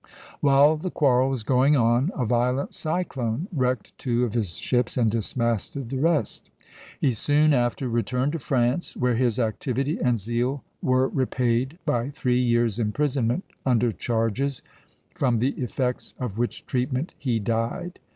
While the quarrel was going on, a violent cyclone wrecked two of his ships and dismasted the rest. He soon after returned to France, where his activity and zeal were repaid by three years' imprisonment under charges, from the effects of which treatment he died.